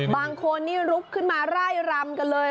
บางคนนี่ลุกขึ้นมาไล่รำกันเลย